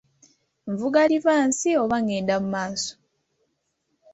Nvuga livansi oba ngenda mu maaso?